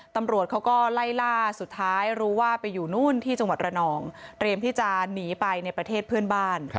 ตำรวจเขาก็ไล่ล่าสุดท้ายรู้ว่าไปอยู่นู่นที่จังหวัดระนองเตรียมที่จะหนีไปในประเทศเพื่อนบ้าน